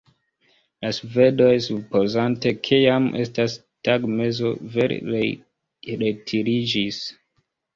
La svedoj, supozante ke jam estas tagmezo, vere retiriĝis.